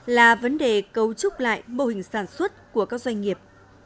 là vấn đề cấu trúc lại mô hình sản xuất của các doanh nghiệp